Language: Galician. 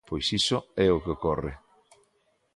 Pois iso é o que ocorre.